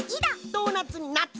ドーナツにナツ！